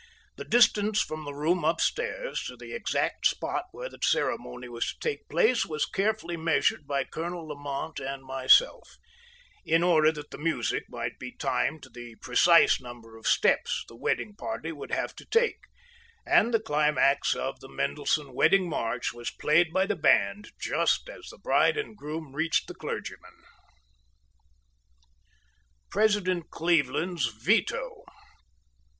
The distance from the room up stairs to the exact spot where the ceremony was to take place was carefully measured by Colonel Lamont and myself, in order that the music might be timed to the precise number of steps the wedding party would have to take; and the climax of the Mendelssohn "Wedding March" was played by the band just as the bride and groom reached the clergyman. President Cleveland's Veto.